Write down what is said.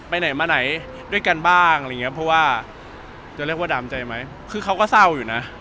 เพราะว่าจะเรียกว่าดามใจไหมคือเค้าก็เศร้าอยู่นะ